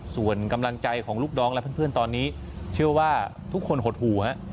ส่วนกำลังใจของลูกน้องและเพื่อนตอนนี้เชื่อว่าทุกคนหดหู่ฮะ